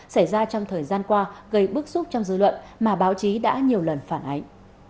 xảy ra trong thời gian qua gây bức xúc trong dư luận mà báo chí đã nhiều lần phản ánh